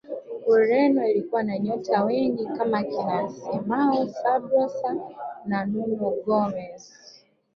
ureno ilikuwa na nyota wengi kama kina simao sabrosa na nuno gomez